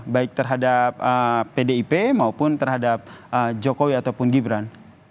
baik terhadap pdip maupun terhadap jokowi ataupun gibran